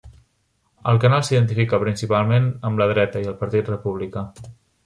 El canal s'identifica principalment amb la dreta i el Partit Republicà.